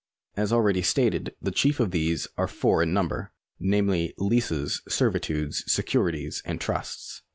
As already stated,^ the chief of these are four in number, namely Leases, Servitudes, Securities, and Trusts.